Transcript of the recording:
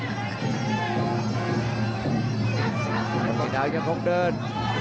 คมเชดาวยังพงเดิน